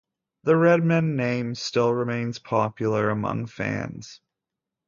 The Redmen name still remains popular among fans.